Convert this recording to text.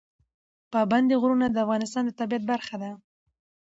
پابندی غرونه د افغانستان د طبیعت برخه ده.